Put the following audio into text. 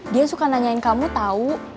dia suka nanyain kamu tahu